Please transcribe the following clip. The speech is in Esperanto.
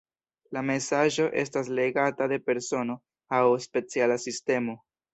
La mesaĝo estas legata de persono aŭ speciala sistemo.